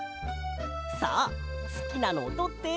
さあすきなのをとって。